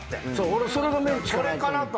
俺それがメンチかと。